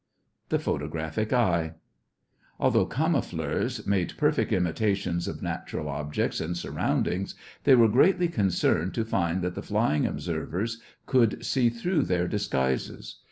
THE PHOTOGRAPHIC EYE Although camoufleurs made perfect imitations of natural objects and surroundings, they were greatly concerned to find that the flying observers could see through their disguises.